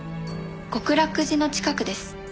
極楽寺の近くです。